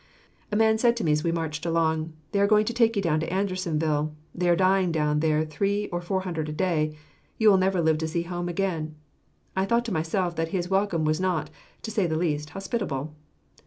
A man said to me as we marched along, "They are going to take you down to Andersonville. They are dying down there three or four hundred a day; you will never live to see home again." I thought to myself that his welcome was not, to say the least, hospitable.